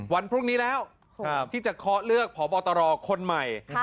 วันพรุ่งนี้แล้วที่จะเคาะเลือกพบตรคนใหม่